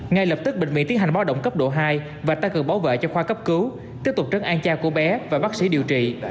ngay lập tức bệnh viện tiến hành báo động cấp độ hai và tăng cường bảo vệ cho khoa cấp cứu tiếp tục trấn an cha của bé và bác sĩ điều trị